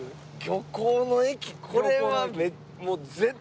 「漁港の駅」これは。